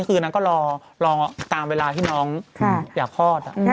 นางก็ลองตามเวลาที่น้องอยากคลอด